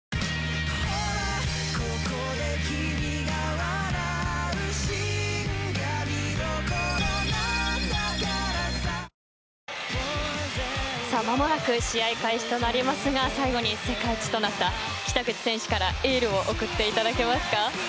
わかるぞまもなく試合開始となりますが最後に世界一となった北口選手からエールを送っていただけますか。